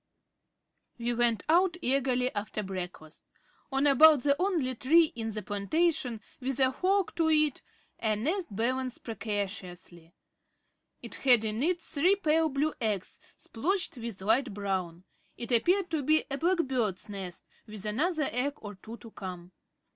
We went out eagerly after breakfast. On about the only tree in the plantation with a fork to it a nest balanced precariously. It had in it three pale blue eggs splotched with light brown. It appeared to be a black bird's nest with another egg or two to come.